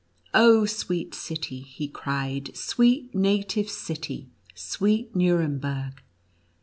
" Oh, SAveet city," he cried, "sweet native city, sweet Nuremberg!